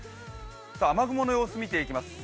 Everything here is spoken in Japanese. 雨雲の様子、見ていきます。